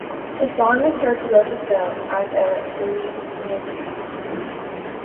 The song is heard throughout the film as a leitmotif.